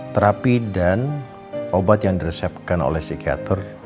terapi dan obat yang diresepkan oleh psikiater